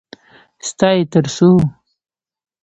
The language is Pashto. _ستا يې تر څو؟